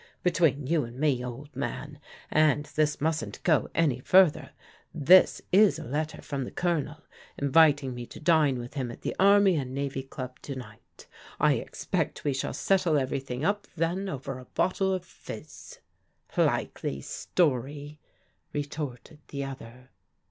Between you and me, old man — ^and this mustn't go any further, — ^this is a letter from the Colonel inviting me to dine with him at the Army and Navy Qub to night. I expect we shall settle everything up then over a bottle of ' fizz.' "" Likely story," retorted the other.